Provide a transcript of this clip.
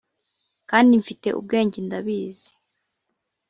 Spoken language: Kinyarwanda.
kandi mfite ubwenge ndabizi